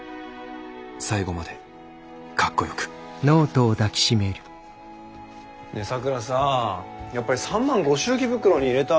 最期までかっこよくねえ咲良さやっぱり３万ご祝儀袋に入れた。